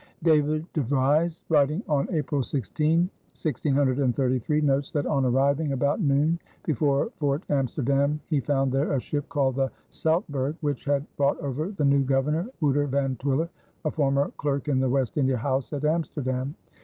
David de Vries, writing on April 16, 1633, notes that on arriving about noon before Fort Amsterdam he found there a ship called the Soutbergh which had brought over the new Governor, Wouter Van Twiller, a former clerk in the West India House at Amsterdam.